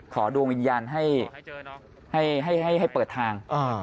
ดวงวิญญาณให้เปิดทาง